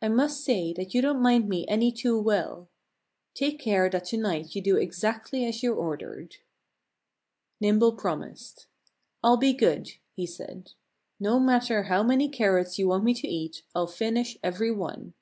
I must say that you don't mind me any too well. Take care that to night you do exactly as you're ordered!" Nimble promised. "I'll be good," he said. "No matter how many carrots you want me to eat, I'll finish every one."